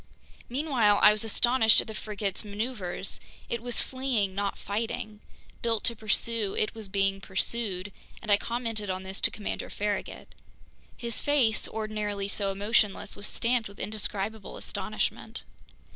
Meanwhile I was astonished at the frigate's maneuvers. It was fleeing, not fighting. Built to pursue, it was being pursued, and I commented on this to Commander Farragut. His face, ordinarily so emotionless, was stamped with indescribable astonishment.